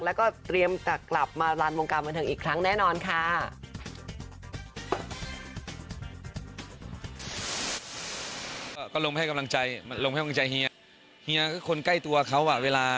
เฮียร์ก็คือคนใกล้ตัวเขาอะเวลา